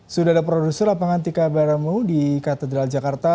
sudah ada produser lapangan tika baremu di katedral jakarta